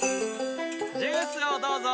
ジュースをどうぞ。